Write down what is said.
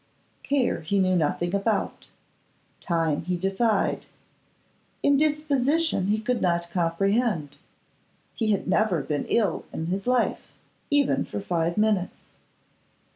Care he knew nothing about; Time he defied; indisposition he could not comprehend. He had never been ill in his life, even for five minutes.